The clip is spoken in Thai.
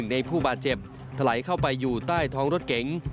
ในผู้บาดเจ็บถลายเข้าไปอยู่ใต้ท้องรถเก๋ง